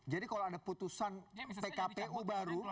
jadi kalau ada putusan pkpu baru